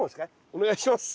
お願いします。